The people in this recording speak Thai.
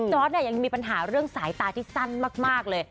เนี่ยยังมีปัญหาเรื่องสายตาที่สั้นมากเลย